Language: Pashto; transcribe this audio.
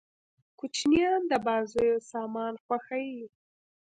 کوچنيان د بازيو سامان خوښيي.